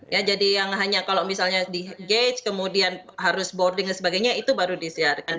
ya jadi yang hanya kalau misalnya di gadge kemudian harus boarding dan sebagainya itu baru disiarkan